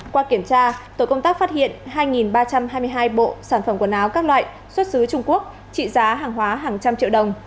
qua kiểm tra tổ công tác phát hiện hai ba trăm hai mươi hai bộ sản phẩm quần áo các loại xuất xứ trung quốc trị giá hàng hóa hàng trăm triệu đồng